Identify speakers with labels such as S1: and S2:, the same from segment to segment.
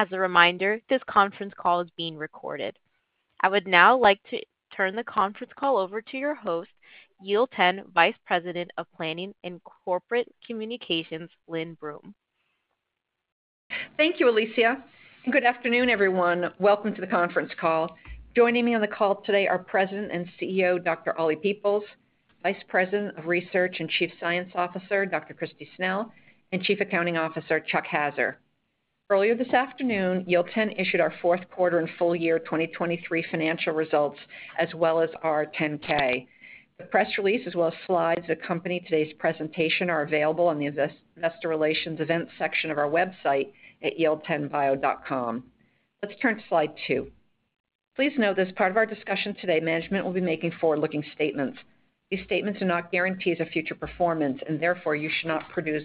S1: As a reminder, this conference call is being recorded. I would now like to turn the conference call over to your host, Yield10 Vice President of Planning and Corporate Communications, Lynne Brum.
S2: Thank you, Alicia, and good afternoon, everyone. Welcome to the Conference Call. Joining me on the call today are President and CEO, Dr. Oli Peoples; Vice President of Research and Chief Science Officer, Dr. Kristi Snell; and Chief Accounting Officer, Chuck Haaser. Earlier this afternoon, Yield10 issued our fourth quarter and full year 2023 financial results, as well as our 10-K. The press release, as well as slides that accompany today's presentation, are available on the Investor Relations Events section of our website at yield10bio.com. Let's turn to slide 2. Please note, as part of our discussion today, management will be making forward-looking statements. These statements are not guarantees of future performance, and therefore you should not place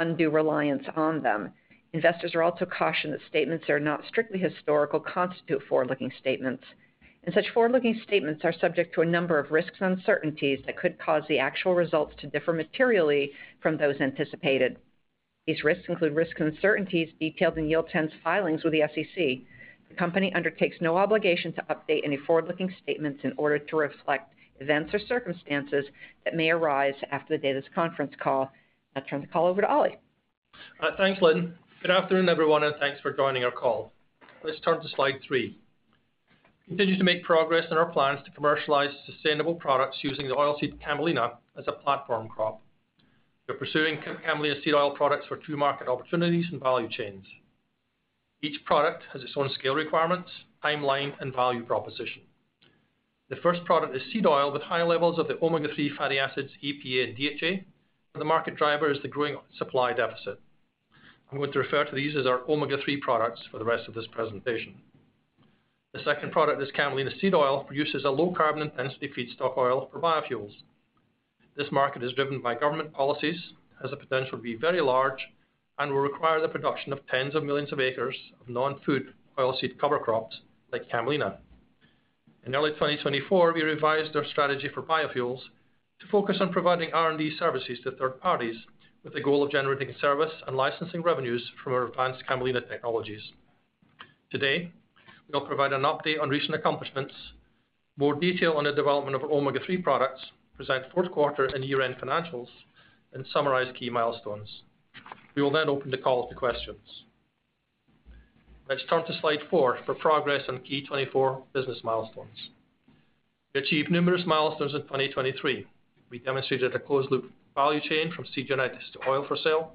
S2: undue reliance on them. Investors are also cautioned that statements that are not strictly historical constitute forward-looking statements, and such forward-looking statements are subject to a number of risks and uncertainties that could cause the actual results to differ materially from those anticipated. These risks include risks and uncertainties detailed in Yield10's filings with the SEC. The company undertakes no obligation to update any forward-looking statements in order to reflect events or circumstances that may arise after the date of this conference call. I'll turn the call over to Oli.
S3: Thanks, Lynne. Good afternoon, everyone, and thanks for joining our call. Let's turn to slide three. We continue to make progress in our plans to commercialize sustainable products using the oilseed camelina as a platform crop. We're pursuing camelina seed oil products for two market opportunities and value chains. Each product has its own scale requirements, timeline, and value proposition. The first product is seed oil with high levels of the omega-3 fatty acids, EPA and DHA, and the market driver is the growing supply deficit. I'm going to refer to these as our omega-3 products for the rest of this presentation. The second product is camelina seed oil, produces a low carbon intensity feedstock oil for biofuels. This market is driven by government policies, has the potential to be very large, and will require the production of tens of millions of acres of non-food oilseed cover crops like camelina. In early 2024, we revised our strategy for biofuels to focus on providing R&D services to third parties, with the goal of generating service and licensing revenues from our advanced camelina technologies. Today, we'll provide an update on recent accomplishments, more detail on the development of our omega-3 products, present fourth quarter and year-end financials, and summarize key milestones. We will then open the call to questions. Let's turn to slide four for progress on key 2024 business milestones. We achieved numerous milestones in 2023. We demonstrated a closed-loop value chain from seed genetics to oil for sale.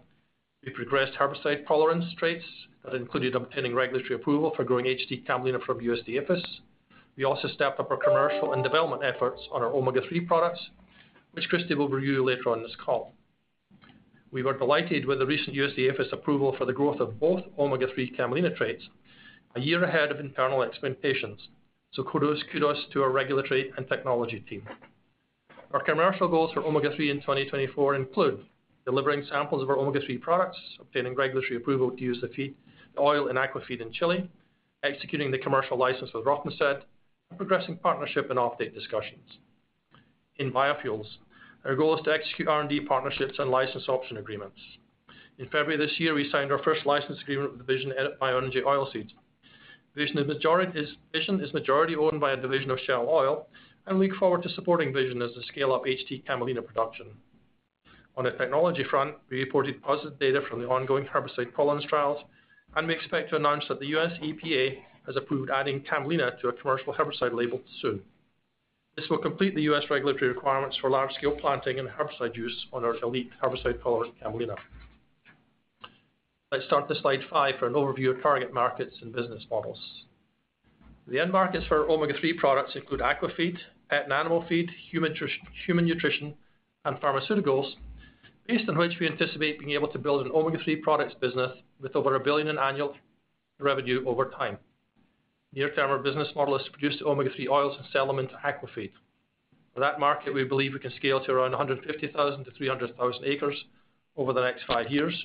S3: We progressed herbicide tolerance traits that included obtaining regulatory approval for growing HT camelina from USDA APHIS. We also stepped up our commercial and development efforts on our omega-3 products, which Kristi will review later on this call. We were delighted with the recent USDA APHIS approval for the growth of both omega-3 camelina traits, a year ahead of internal expectations. So kudos, kudos to our regulatory and technology team. Our commercial goals for omega-3 in 2024 include: delivering samples of our omega-3 products, obtaining regulatory approval to use the feed, the oil and aquafeed in Chile, executing the commercial license with Rothamsted, and progressing partnership and update discussions. In biofuels, our goal is to execute R&D partnerships and license option agreements. In February this year, we signed our first license agreement with Vision Bioenergy Oilseeds. Vision is majority owned by a division of Shell Oil and look forward to supporting Vision as they scale up HT camelina production. On the technology front, we reported positive data from the ongoing herbicide tolerance trials, and we expect to announce that the U.S. EPA has approved adding camelina to a commercial herbicide label soon. This will complete the U.S. regulatory requirements for large-scale planting and herbicide use on our elite herbicide tolerance camelina. Let's start to Slide 5 for an overview of target markets and business models. The end markets for our omega-3 products include aquafeed, pet and animal feed, human nutrition, and pharmaceuticals, based on which we anticipate being able to build an omega-3 products business with over $1 billion in annual revenue over time. Near-term, our business model is to produce omega-3 oils and sell them into aquafeed. For that market, we believe we can scale to around 150,000-300,000 acres over the next five years,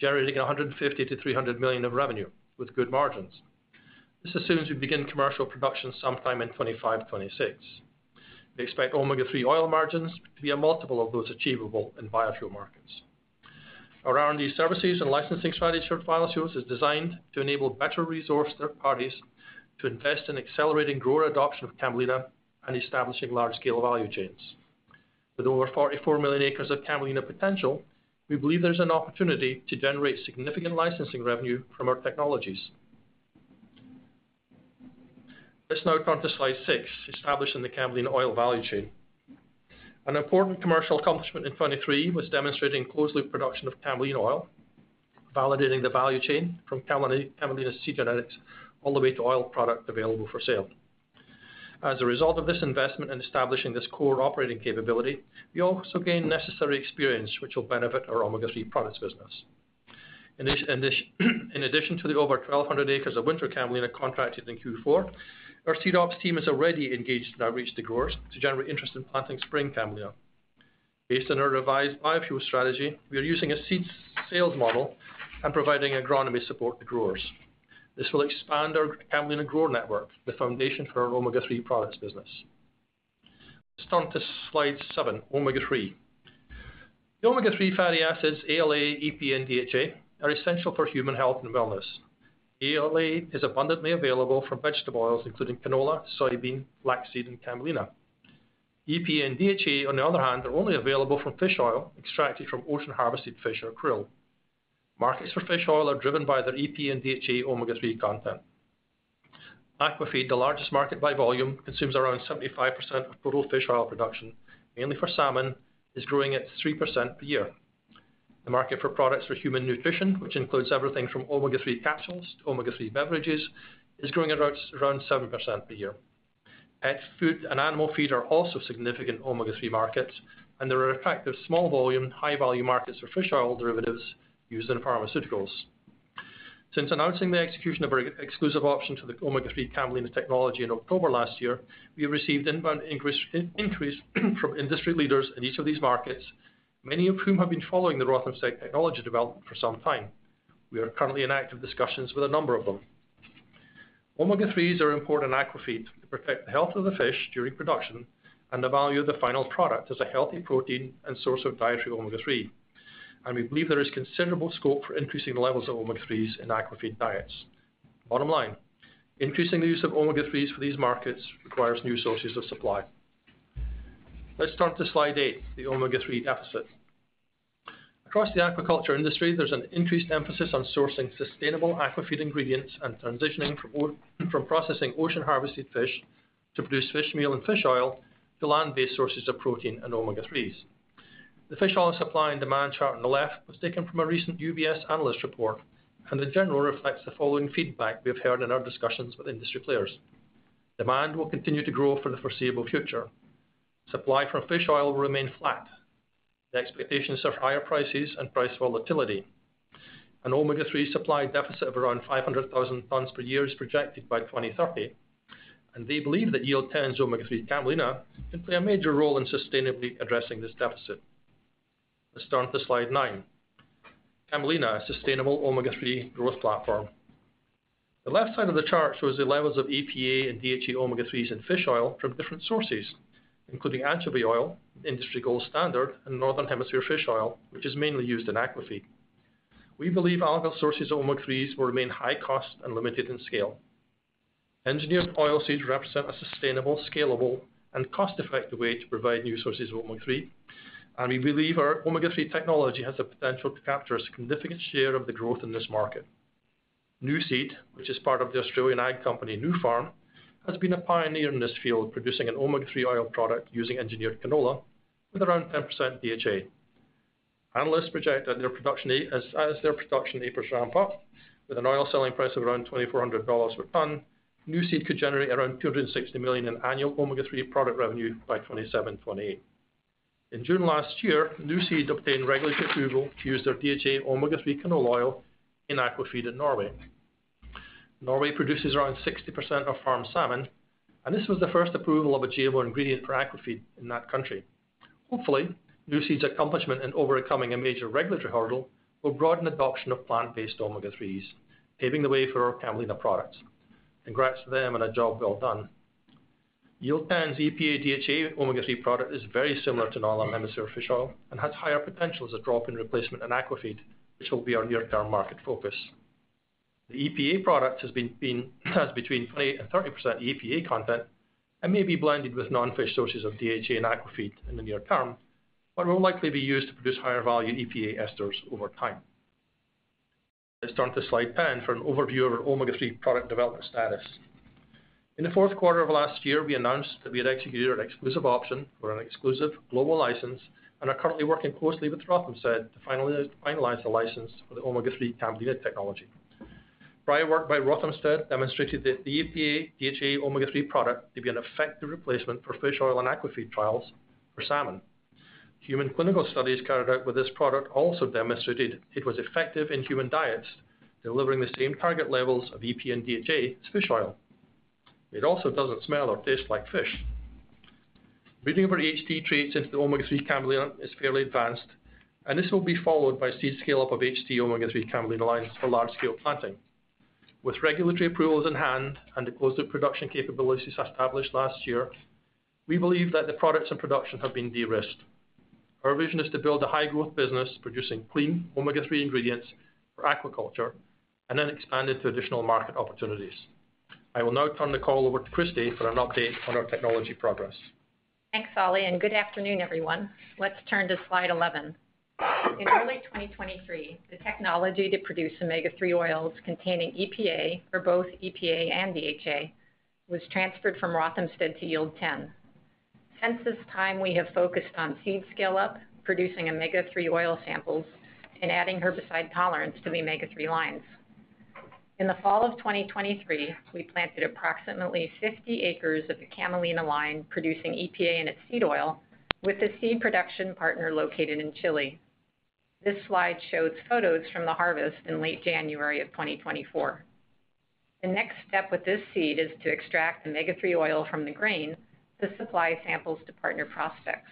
S3: generating $150 million-$300 million of revenue with good margins. This as soon as we begin commercial production sometime in 2025, 2026. We expect omega-3 oil margins to be a multiple of those achievable in biofuel markets. Our R&D services and licensing strategy for biofuels is designed to enable better resource third parties to invest in accelerating grower adoption of camelina and establishing large-scale value chains. With over 44 million acres of camelina potential, we believe there's an opportunity to generate significant licensing revenue from our technologies. Let's now turn to slide 6, establishing the camelina oil value chain. An important commercial accomplishment in 2023 was demonstrating closed-loop production of camelina oil, validating the value chain from camelina, camelina seed genetics, all the way to oil product available for sale. As a result of this investment in establishing this core operating capability, we also gained necessary experience, which will benefit our omega-3 products business. In addition to the over 1,200 acres of winter camelina contracted in Q4, our seed ops team is already engaged in outreach to growers to generate interest in planting spring camelina. Based on our revised biofuel strategy, we are using a seed sales model and providing agronomy support to growers. This will expand our camelina grower network, the foundation for our omega-3 products business. Let's turn to slide seven, omega-3. The omega-3 fatty acids, ALA, EPA, and DHA, are essential for human health and wellness. ALA is abundantly available from vegetable oils, including canola, soybean, flaxseed, and camelina. EPA and DHA, on the other hand, are only available from fish oil extracted from ocean-harvested fish or krill. Markets for fish oil are driven by their EPA and DHA omega-3 content. Aquafeed, the largest market by volume, consumes around 75% of total fish oil production, mainly for salmon, is growing at 3% per year. The market for products for human nutrition, which includes everything from omega-3 capsules to omega-3 beverages, is growing at around, around 7% per year. Pet food and animal feed are also significant omega-3 markets, and there are effective small volume, high-value markets for fish oil derivatives used in pharmaceuticals. Since announcing the execution of our exclusive option to the omega-3 camelina technology in October last year, we have received inbound increase from industry leaders in each of these markets, many of whom have been following the Rothamsted technology development for some time. We are currently in active discussions with a number of them. Omega-3s are important in aquafeed to protect the health of the fish during production and the value of the final product as a healthy protein and source of dietary omega-3, and we believe there is considerable scope for increasing the levels of omega-3s in aquafeed diets. Bottom line, increasing the use of omega-3s for these markets requires new sources of supply. Let's turn to slide 8, the omega-3 deficit. Across the aquaculture industry, there's an increased emphasis on sourcing sustainable aquafeed ingredients and transitioning from from processing ocean-harvested fish to produce fish meal and fish oil, to land-based sources of protein and omega-3s. The fish oil supply and demand chart on the left was taken from a recent UBS analyst report, and in general, reflects the following feedback we've heard in our discussions with industry players. Demand will continue to grow for the foreseeable future. Supply from fish oil will remain flat. The expectations are higher prices and price volatility. An omega-3 supply deficit of around 500,000 tons per year is projected by 2030, and they believe that Yield10's omega-3 camelina can play a major role in sustainably addressing this deficit. Let's turn to slide 9. camelina, a sustainable omega-3 growth platform. The left side of the chart shows the levels of EPA and DHA omega-3s in fish oil from different sources, including anchovy oil, industry gold standard, and Northern Hemisphere fish oil, which is mainly used in aquafeed. We believe algal sources of omega-3s will remain high cost and limited in scale. Engineered oilseeds represent a sustainable, scalable, and cost-effective way to provide new sources of omega-3, and we believe our omega-3 technology has the potential to capture a significant share of the growth in this market. Nuseed, which is part of the Australian ag company, Nufarm, has been a pioneer in this field, producing an omega-3 oil product using engineered canola with around 10% DHA. Analysts project that their production a... As their production acres ramp up, with an oil selling price of around $2,400 per ton, Nuseed could generate around $260 million in annual omega-3 product revenue by 2027, 2028. In June last year, Nuseed obtained regulatory approval to use their DHA omega-3 canola oil in aquafeed in Norway. Norway produces around 60% of farmed salmon, and this was the first approval of a GMO ingredient for aquafeed in that country. Hopefully, Nuseed's accomplishment in overcoming a major regulatory hurdle will broaden adoption of plant-based omega-3s, paving the way for our camelina products. Congrats to them on a job well done. Yield10's EPA DHA omega-3 product is very similar to Northern Hemisphere fish oil and has higher potential as a drop-in replacement in aquafeed, which will be our near-term market focus. The EPA product has between 20% and 30% EPA content and may be blended with non-fish sources of DHA and aquafeed in the near term, but will likely be used to produce higher-value EPA esters over time. Let's turn to slide 10 for an overview of our omega-3 product development status. In the fourth quarter of last year, we announced that we had executed an exclusive option for an exclusive global license and are currently working closely with Rothamsted to finalize the license for the omega-3 camelina technology. Prior work by Rothamsted demonstrated that the EPA/DHA omega-3 product to be an effective replacement for fish oil in aquafeed trials for salmon. Human clinical studies carried out with this product also demonstrated it was effective in human diets, delivering the same target levels of EPA and DHA as fish oil. It also doesn't smell or taste like fish. Breeding over the HT traits into the omega-3 camelina is fairly advanced, and this will be followed by seed scale-up of HT omega-3 camelina lines for large-scale planting. With regulatory approvals in hand and the closed production capabilities established last year, we believe that the products in production have been de-risked. Our vision is to build a high-growth business producing clean omega-3 ingredients for aquaculture and then expand it to additional market opportunities. I will now turn the call over to Kristi for an update on our technology progress.
S4: Thanks, Oli, and good afternoon, everyone. Let's turn to slide 11. In early 2023, the technology to produce omega-3 oils containing EPA or both EPA and DHA was transferred from Rothamsted to Yield10. Since this time, we have focused on seed scale-up, producing omega-3 oil samples, and adding herbicide tolerance to the omega-3 lines. In the fall of 2023, we planted approximately 50 acres of the camelina line, producing EPA in its seed oil, with the seed production partner located in Chile. This slide shows photos from the harvest in late January of 2024. The next step with this seed is to extract omega-3 oil from the grain to supply samples to partner prospects.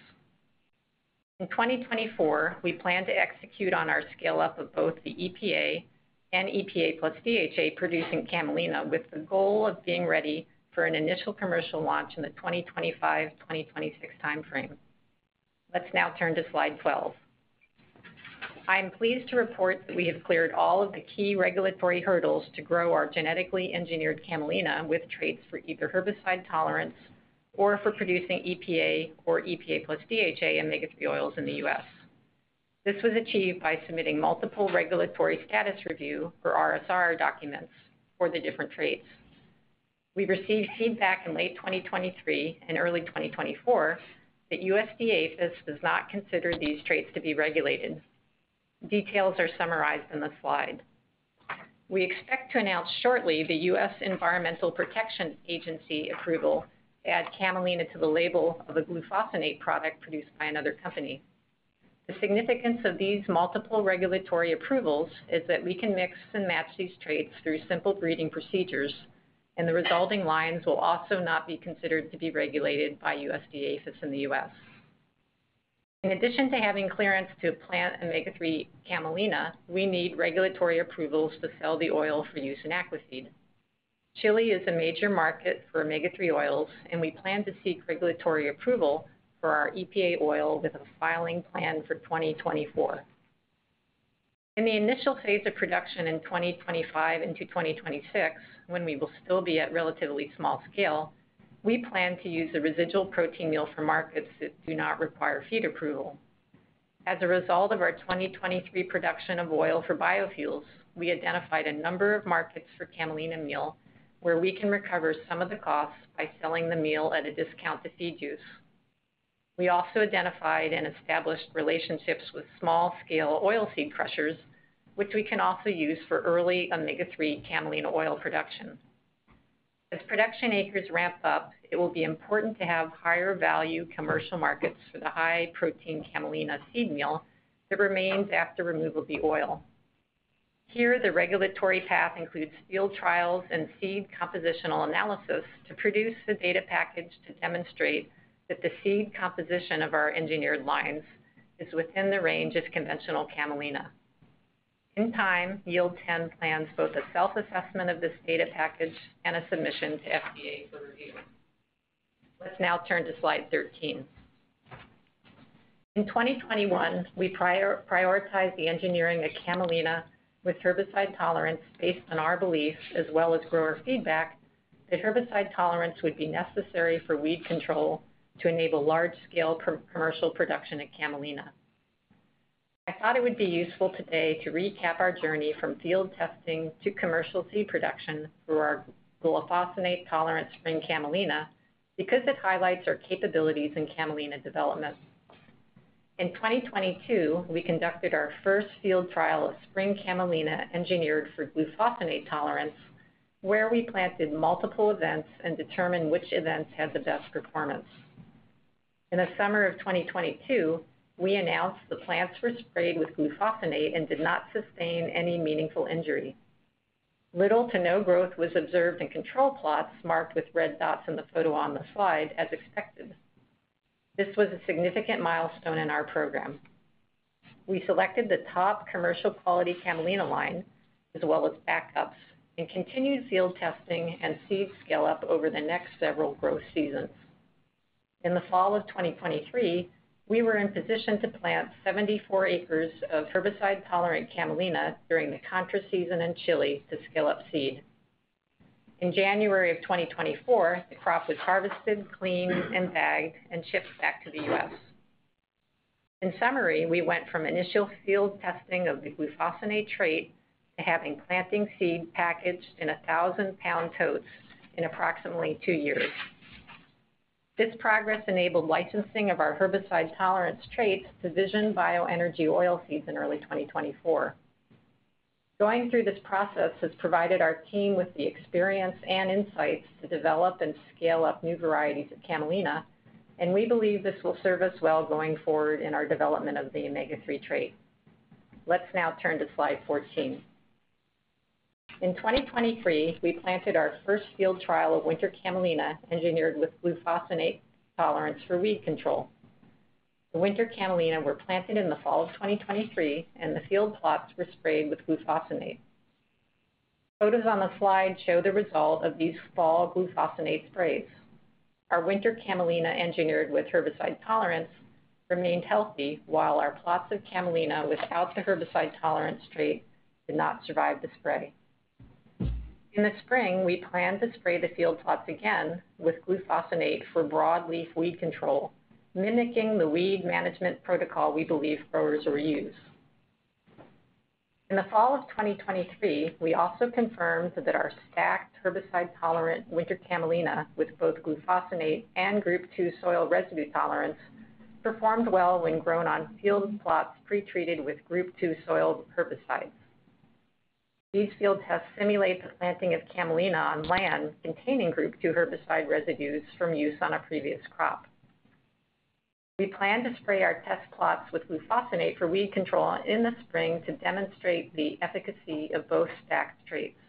S4: In 2024, we plan to execute on our scale-up of both the EPA and EPA plus DHA, producing camelina, with the goal of being ready for an initial commercial launch in the 2025-2026 time frame. Let's now turn to slide 12. I'm pleased to report that we have cleared all of the key regulatory hurdles to grow our genetically engineered camelina with traits for either herbicide tolerance or for producing EPA or EPA plus DHA omega-3 oils in the U.S. This was achieved by submitting multiple Regulatory Status Review or RSR documents for the different traits. We received feedback in late 2023 and early 2024, that USDA APHIS does not consider these traits to be regulated. Details are summarized in the slide. We expect to announce shortly the U.S. Environmental Protection Agency approval to add camelina to the label of a glufosinate product produced by another company. The significance of these multiple regulatory approvals is that we can mix and match these traits through simple breeding procedures, and the resulting lines will also not be considered to be regulated by USDA APHIS in the U.S. In addition to having clearance to plant omega-3 camelina, we need regulatory approvals to sell the oil for use in aquafeed. Chile is a major market for omega-3 oils, and we plan to seek regulatory approval for our EPA oil, with a filing plan for 2024. In the initial phase of production in 2025 into 2026, when we will still be at relatively small scale, we plan to use the residual protein meal for markets that do not require feed approval. As a result of our 2023 production of oil for biofuels, we identified a number of markets for camelina meal, where we can recover some of the costs by selling the meal at a discount to feed use. We also identified and established relationships with small-scale oilseed crushers, which we can also use for early omega-3 camelina oil production. As production acres ramp up, it will be important to have higher value commercial markets for the high-protein camelina seed meal that remains after removal of the oil. Here, the regulatory path includes field trials and seed compositional analysis to produce the data package to demonstrate that the seed composition of our engineered lines is within the range of conventional camelina. In time, Yield10 plans both a self-assessment of this data package and a submission to FDA for review. Let's now turn to slide 13. In 2021, we prioritized the engineering of camelina with herbicide tolerance based on our belief, as well as grower feedback, that herbicide tolerance would be necessary for weed control to enable large-scale commercial production of camelina. I thought it would be useful today to recap our journey from field testing to commercial seed production for our glufosinate-tolerant spring camelina, because it highlights our capabilities in camelina development. In 2022, we conducted our first field trial of spring camelina, engineered for glufosinate tolerance, where we planted multiple events and determined which events had the best performance. In the summer of 2022, we announced the plants were sprayed with glufosinate and did not sustain any meaningful injury. Little to no growth was observed in control plots marked with red dots in the photo on the slide, as expected. This was a significant milestone in our program. We selected the top commercial quality camelina line, as well as backups, and continued field testing and seed scale-up over the next several growth seasons. In the fall of 2023, we were in position to plant 74 acres of herbicide-tolerant camelina during the contra season in Chile to scale up seed. In January of 2024, the crop was harvested, cleaned, and bagged, and shipped back to the U.S. In summary, we went from initial field testing of the glufosinate trait to having planting seed packaged in 1,000-pound totes in approximately two years. This progress enabled licensing of our herbicide tolerance traits to Vision Bioenergy Oilseeds in early 2024. Going through this process has provided our team with the experience and insights to develop and scale up new varieties of camelina, and we believe this will serve us well going forward in our development of the omega-3 trait. Let's now turn to slide 14. In 2023, we planted our first field trial of winter camelina, engineered with glufosinate tolerance for weed control. The winter camelina were planted in the fall of 2023, and the field plots were sprayed with glufosinate. Photos on the slide show the result of these fall glufosinate sprays. Our winter camelina, engineered with herbicide tolerance, remained healthy, while our plots of camelina without the herbicide-tolerance trait did not survive the spray. In the spring, we planned to spray the field plots again with glufosinate for broadleaf weed control, mimicking the weed management protocol we believe growers will use. In the fall of 2023, we also confirmed that our stacked herbicide-tolerant winter camelina, with both glufosinate and Group 2 soil residue tolerance, performed well when grown on field plots pretreated with Group 2 soil herbicides. These field tests simulate the planting of camelina on land containing Group 2 herbicide residues from use on a previous crop. We plan to spray our test plots with glufosinate for weed control in the spring to demonstrate the efficacy of both stacked traits....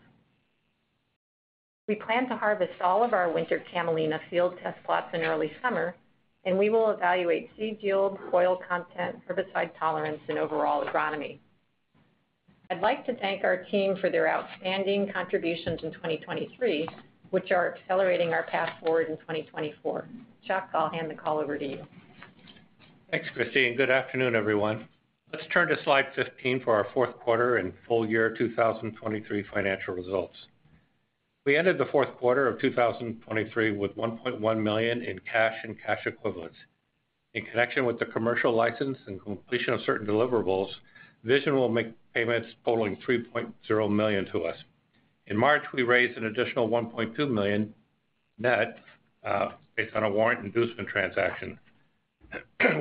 S4: We plan to harvest all of our winter camelina field test plots in early summer, and we will evaluate seed yield, oil content, herbicide tolerance, and overall agronomy. I'd like to thank our team for their outstanding contributions in 2023, which are accelerating our path forward in 2024. Chuck, I'll hand the call over to you.
S5: Thanks, Kristi. Good afternoon, everyone. Let's turn to slide 15 for our fourth quarter and full year 2023 financial results. We ended the fourth quarter of 2023 with $1.1 million in cash and cash equivalents. In connection with the commercial license and completion of certain deliverables, Vision will make payments totaling $3.0 million to us. In March, we raised an additional $1.2 million net based on a warrant inducement transaction.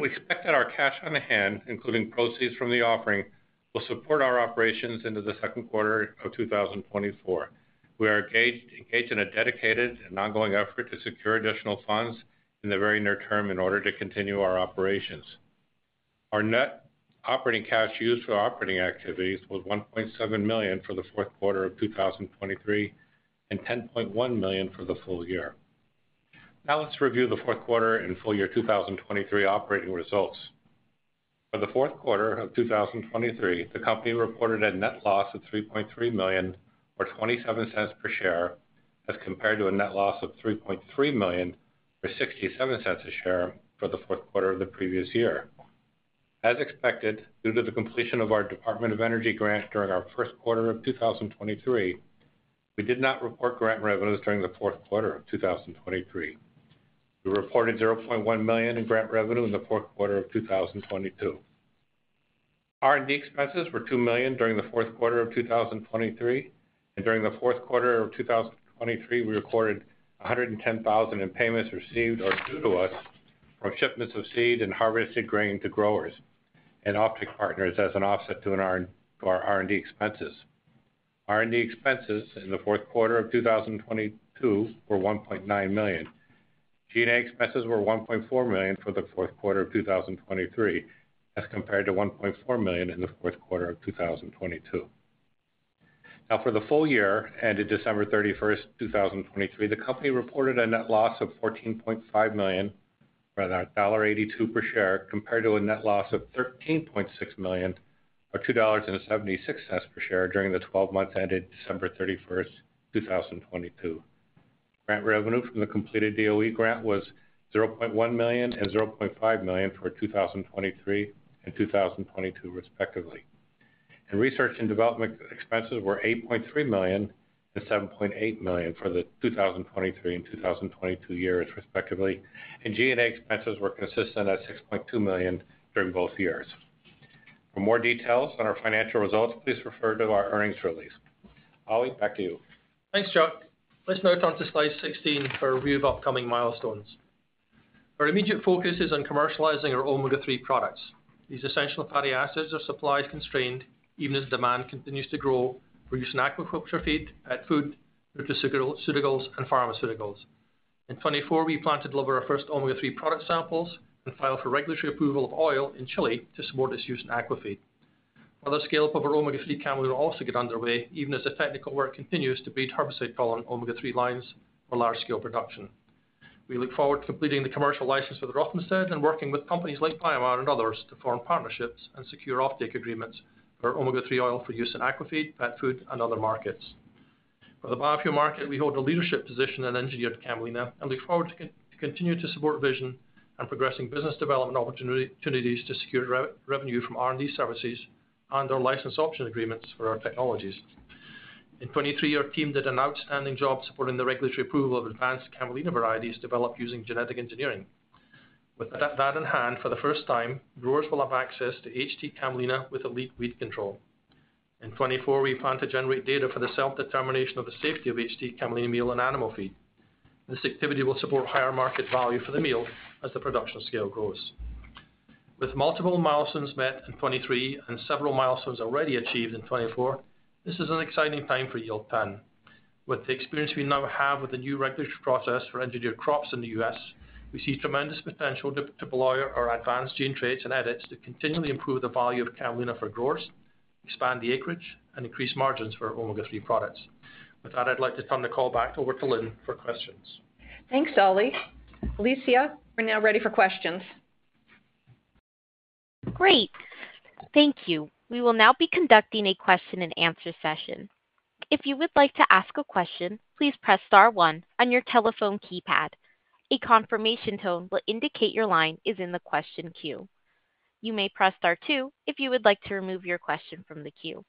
S5: We expect that our cash on hand, including proceeds from the offering, will support our operations into the second quarter of 2024. We are engaged in a dedicated and ongoing effort to secure additional funds in the very near term in order to continue our operations. Our net operating cash used for operating activities was $1.7 million for the fourth quarter of 2023 and $10.1 million for the full year. Now, let's review the fourth quarter and full year 2023 operating results. For the fourth quarter of 2023, the company reported a net loss of $3.3 million, or $0.27 per share, as compared to a net loss of $3.3 million, or $0.67 per share for the fourth quarter of the previous year. As expected, due to the completion of our Department of Energy grant during our first quarter of 2023, we did not report grant revenues during the fourth quarter of 2023. We reported $0.1 million in grant revenue in the fourth quarter of 2022. R&D expenses were $2 million during the fourth quarter of 2023, and during the fourth quarter of 2023, we recorded $110,000 in payments received or due to us from shipments of seed and harvested grain to growers and off-take partners as an offset to our R&D expenses. R&D expenses in the fourth quarter of 2022 were $1.9 million. G&A expenses were $1.4 million for the fourth quarter of 2023, as compared to $1.4 million in the fourth quarter of 2022. Now, for the full year, ended December 31, 2023, the company reported a net loss of $14.5 million, or $1.82 per share, compared to a net loss of $13.6 million, or $2.76 per share during the twelve months ended December 31, 2022. Grant revenue from the completed DOE grant was $0.1 million and $0.5 million for 2023 and 2022, respectively. And research and development expenses were $8.3 million and $7.8 million for the 2023 and 2022 years, respectively, and G&A expenses were consistent at $6.2 million during both years. For more details on our financial results, please refer to our earnings release. Oli, back to you.
S3: Thanks, Chuck. Let's now turn to slide 16 for a review of upcoming milestones. Our immediate focus is on commercializing our omega-3 products. These essential fatty acids are supply constrained, even as demand continues to grow for use in aquaculture feed, pet food, nutraceuticals, and pharmaceuticals. In 2024, we plan to deliver our first omega-3 product samples and file for regulatory approval of oil in Chile to support its use in aquafeed. Other scale-up of our omega-3 camelina will also get underway, even as the technical work continues to breed herbicide-tolerant omega-3 lines for large-scale production. We look forward to completing the commercial license for the Rothamsted and working with companies like BioMar and others to form partnerships and secure offtake agreements for omega-3 oil, for use in aquafeed, pet food, and other markets. For the biofuel market, we hold a leadership position in engineered camelina and look forward to continue to support Vision and progressing business development opportunities to secure revenue from R&D services and our license option agreements for our technologies. In 2023, our team did an outstanding job supporting the regulatory approval of advanced camelina varieties developed using genetic engineering. With that in hand, for the first time, growers will have access to HT camelina with elite weed control. In 2024, we plan to generate data for the self-determination of the safety of HT camelina meal and animal feed. This activity will support higher market value for the meal as the production scale grows. With multiple milestones met in 2023 and several milestones already achieved in 2024, this is an exciting time for Yield10. With the experience we now have with the new regulatory process for engineered crops in the U.S., we see tremendous potential to deploy our advanced gene traits and edits to continually improve the value of camelina for growers, expand the acreage, and increase margins for omega-3 products. With that, I'd like to turn the call back over to Lynne for questions.
S2: Thanks, Oli. Alicia, we're now ready for questions.
S1: Great. Thank you. We will now be conducting a question-and-answer session. If you would like to ask a question, please press star one on your telephone keypad. A confirmation tone will indicate your line is in the question queue. You may press star two if you would like to remove your question from the queue.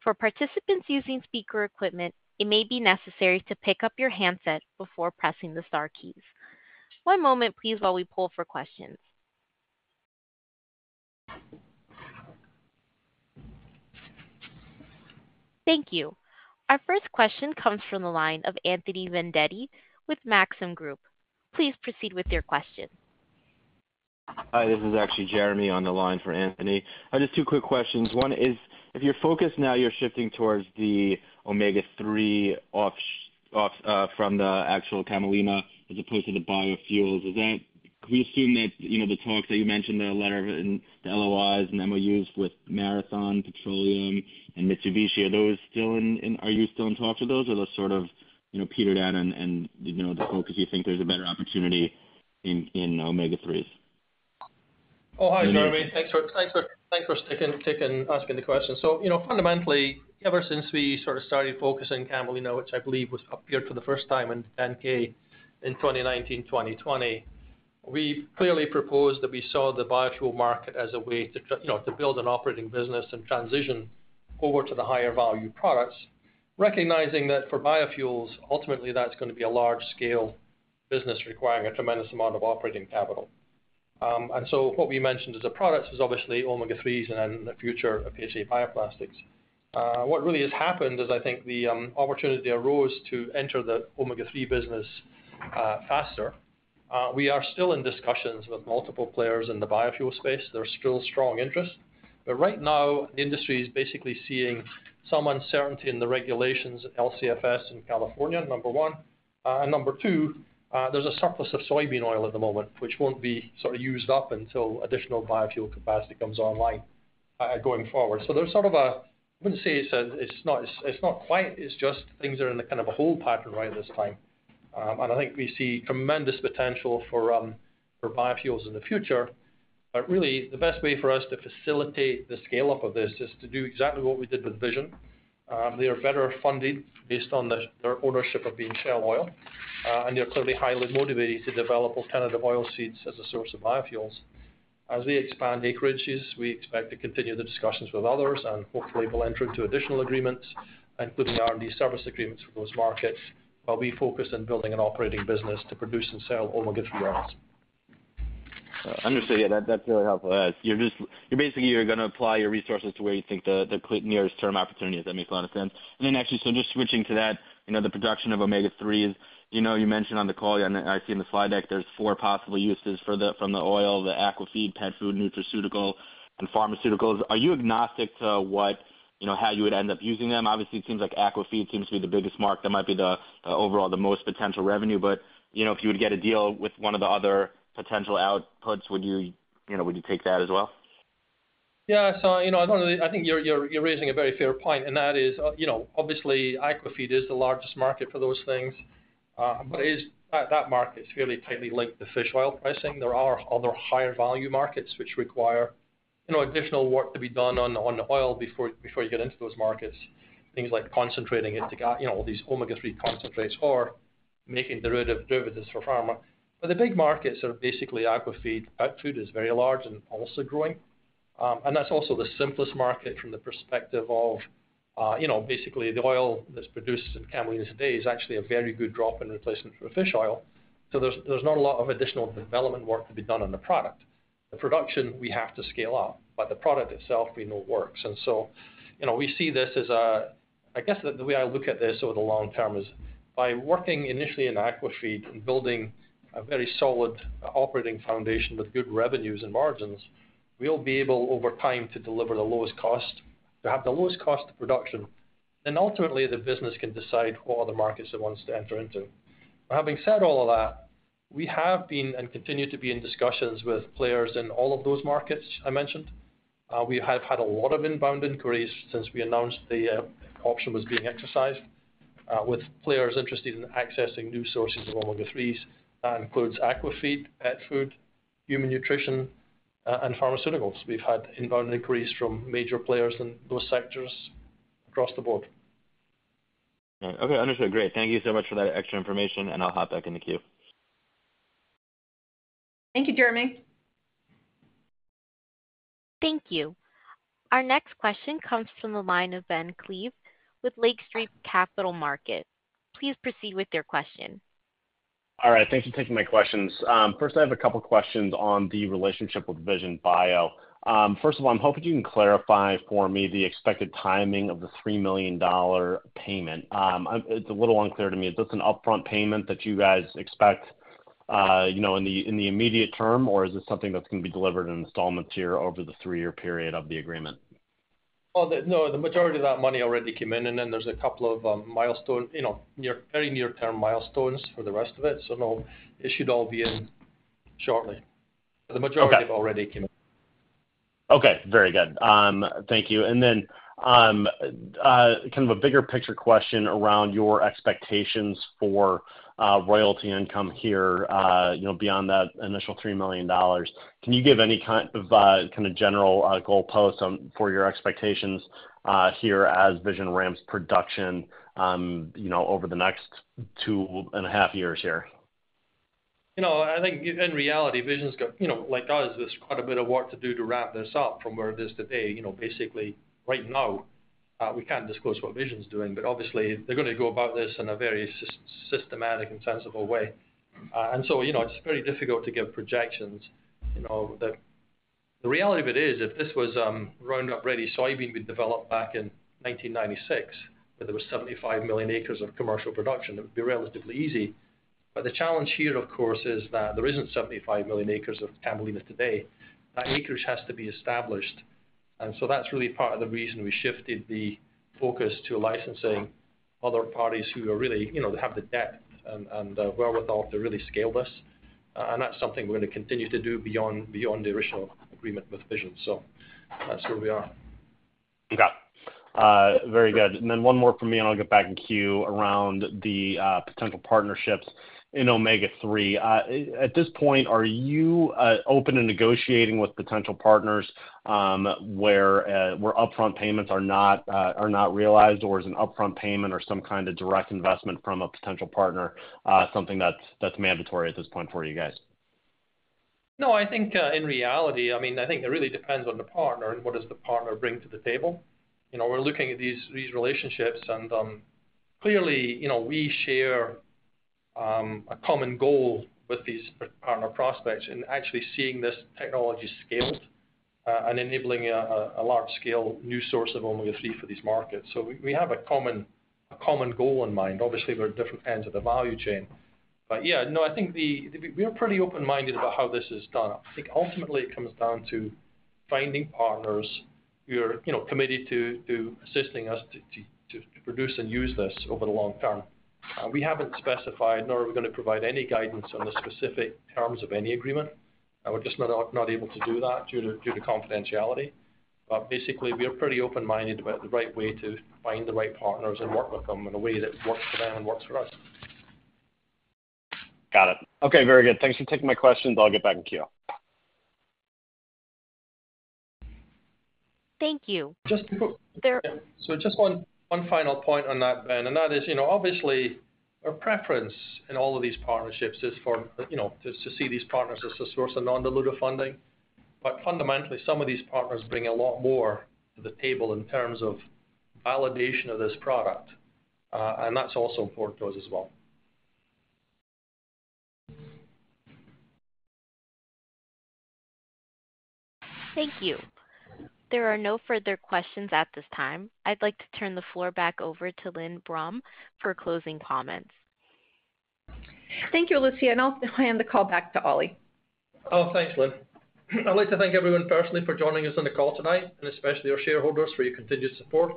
S1: For participants using speaker equipment, it may be necessary to pick up your handset before pressing the star keys. One moment, please, while we pull for questions. Thank you. Our first question comes from the line of Anthony Vendetti with Maxim Group. Please proceed with your question.
S6: Hi, this is actually Jeremy on the line for Anthony. Just two quick questions. One is: If your focus now, you're shifting towards the omega-3 oil from the actual camelina as opposed to the biofuels, is that? Can we assume that, you know, the talks that you mentioned, the letter and the LOIs and MOUs with Marathon Petroleum and Mitsubishi, are those still in, are you still in talks with those, or those sort of, you know, petered out and, you know, focused, you think there's a better opportunity in omega-3s?
S3: Hi, Jeremy. Thanks for asking the question. So, you know, fundamentally, ever since we sort of started focusing camelina, which I believe was appeared for the first time in 10-K in 2019, 2020, we clearly proposed that we saw the biofuel market as a way to you know, to build an operating business and transition over to the higher value products, recognizing that for biofuels, ultimately, that's gonna be a large scale business requiring a tremendous amount of operating capital. And so what we mentioned as the products is obviously omega-3s and then the future of PHA bioplastics. What really has happened is I think the opportunity arose to enter the omega-3 business faster. We are still in discussions with multiple players in the biofuel space. There's still strong interest, but right now, the industry is basically seeing some uncertainty in the regulations of LCFS in California, number one. And number two, there's a surplus of soybean oil at the moment, which won't be sort of used up until additional biofuel capacity comes online, going forward. So there's sort of a, I wouldn't say it's a, it's not, it's, it's not quite, it's just things are in a kind of a hold pattern right at this time. And I think we see tremendous potential for, for biofuels in the future. But really, the best way for us to facilitate the scale-up of this is to do exactly what we did with Vision. They are better funded based on their ownership of being Shell Oil, and they're clearly highly motivated to develop alternative oil seeds as a source of biofuels. As we expand acreages, we expect to continue the discussions with others, and hopefully we'll enter into additional agreements, including R&D service agreements for those markets, while we focus on building an operating business to produce and sell omega-3 oils.
S6: Understood. Yeah, that's really helpful. You're just—you're basically gonna apply your resources to where you think the nearest term opportunity is. That makes a lot of sense. And then actually, so just switching to that, you know, the production of omega-3s, you know, you mentioned on the call, and I see in the slide deck, there's 4 possible uses for the—from the oil, the aquafeed, pet food, nutraceutical, and pharmaceuticals. Are you agnostic to what, you know, how you would end up using them? Obviously, it seems like aquafeed seems to be the biggest market. That might be the overall, the most potential revenue, but, you know, if you were to get a deal with one of the other potential outputs, would you, you know, would you take that as well?
S3: Yeah. So, you know, I don't really-- I think you're raising a very fair point, and that is, you know, obviously, aquafeed is the largest market for those things. But it is, that market is fairly tightly linked to fish oil pricing. There are other higher value markets which require, you know, additional work to be done on the oil before you get into those markets. Things like concentrating into, you know, these omega-3 concentrates or making derivatives for pharma. But the big markets are basically aquafeed. Pet food is very large and also growing. And that's also the simplest market from the perspective of, you know, basically the oil that's produced in camelina today is actually a very good drop-in replacement for fish oil. So there's not a lot of additional development work to be done on the product. The production, we have to scale up, but the product itself, we know works. And so, you know, we see this as a... I guess the way I look at this over the long term is by working initially in aquafeed and building a very solid operating foundation with good revenues and margins, we'll be able, over time, to deliver the lowest cost, to have the lowest cost of production. And ultimately, the business can decide what are the markets it wants to enter into. But having said all of that, we have been and continue to be in discussions with players in all of those markets I mentioned. We have had a lot of inbound inquiries since we announced the option was being exercised, with players interested in accessing new sources of omega-3s. That includes aquafeed, pet food, human nutrition, and pharmaceuticals. We've had inbound inquiries from major players in those sectors across the board.
S6: All right. Okay, understood. Great. Thank you so much for that extra information, and I'll hop back in the queue.
S2: Thank you, Jeremy.
S1: Thank you. Our next question comes from the line of Ben Klieve with Lake Street Capital Markets. Please proceed with your question.
S7: All right, thank you for taking my questions. First, I have a couple questions on the relationship with Vision Bio. First of all, I'm hoping you can clarify for me the expected timing of the $3 million payment. It's a little unclear to me. Is this an upfront payment that you guys expect, you know, in the immediate term, or is this something that's going to be delivered in installments here over the 3-year period of the agreement?
S3: Well, no, the majority of that money already came in, and then there's a couple of milestone, you know, near, very near-term milestones for the rest of it. So no, it should all be in shortly.
S7: Okay.
S3: But the majority have already come.
S7: Okay, very good. Thank you. And then, kind of a bigger picture question around your expectations for royalty income here, you know, beyond that initial $3 million. Can you give any kind of general goalpost for your expectations here as Vision ramps production, you know, over the next two and a half years here?
S3: You know, I think in reality, Vision's got, you know, like us, there's quite a bit of work to do to wrap this up from where it is today. You know, basically right now, we can't disclose what Vision's doing, but obviously they're gonna go about this in a very systematic and sensible way. And so, you know, it's very difficult to give projections. You know, the reality of it is, if this was Roundup Ready soybean we developed back in 1996, where there was 75 million acres of commercial production, it would be relatively easy. But the challenge here, of course, is that there isn't 75 million acres of camelina today. That acreage has to be established, and so that's really part of the reason we shifted the focus to licensing-... other parties who are really, you know, have the depth and the wherewithal to really scale this. And that's something we're gonna continue to do beyond the original agreement with Vision. So that's where we are.
S7: Okay. Very good. And then one more from me, and I'll get back in queue around the potential partnerships in omega-3. At this point, are you open to negotiating with potential partners, where upfront payments are not realized, or is an upfront payment or some kind of direct investment from a potential partner something that's mandatory at this point for you guys?
S3: No, I think, in reality, I mean, I think it really depends on the partner and what does the partner bring to the table. You know, we're looking at these relationships, and clearly, you know, we share a common goal with these partner prospects and actually seeing this technology scaled, and enabling a large scale new source of omega-3 for these markets. So we have a common goal in mind. Obviously, we're at different ends of the value chain. But yeah, no, I think. We're pretty open-minded about how this is done. I think ultimately it comes down to finding partners who are, you know, committed to assisting us to produce and use this over the long term. We haven't specified, nor are we gonna provide any guidance on the specific terms of any agreement, and we're just not able to do that due to confidentiality. But basically, we are pretty open-minded about the right way to find the right partners and work with them in a way that works for them and works for us.
S7: Got it. Okay, very good. Thanks for taking my questions. I'll get back in queue.
S1: Thank you.
S3: Just to go-
S1: There-
S3: So just one final point on that, Ben, and that is, you know, obviously, our preference in all of these partnerships is for, you know, just to see these partners as a source of non-dilutive funding. But fundamentally, some of these partners bring a lot more to the table in terms of validation of this product, and that's also important to us as well.
S1: Thank you. There are no further questions at this time. I'd like to turn the floor back over to Lynne Brum for closing comments.
S2: Thank you, Alicia, and I'll hand the call back to Oli.
S3: Thanks, Lynne. I'd like to thank everyone personally for joining us on the call tonight, and especially our shareholders, for your continued support.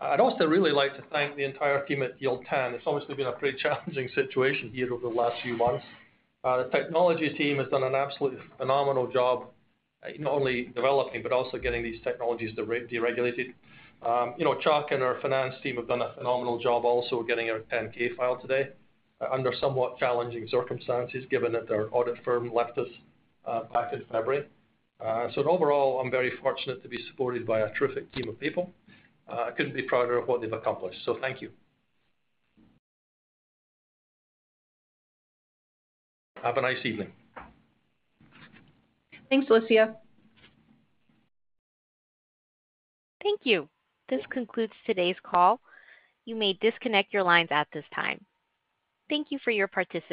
S3: I'd also really like to thank the entire team at Yield10. It's obviously been a pretty challenging situation here over the last few months. The technology team has done an absolutely phenomenal job at not only developing, but also getting these technologies de-deregulated. You know, Chuck and our finance team have done a phenomenal job also getting our 10-K filed today, under somewhat challenging circumstances, given that our audit firm left us, back in February. So overall, I'm very fortunate to be supported by a terrific team of people. I couldn't be prouder of what they've accomplished, so thank you. Have a nice evening.
S2: Thanks, Alicia.
S1: Thank you. This concludes today's call. You may disconnect your lines at this time. Thank you for your participation.